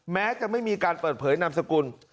แม้จะไม่มีการเปิดเผยนามสกุล